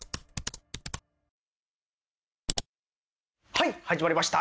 はい始まりました！